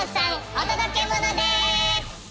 お届けモノです！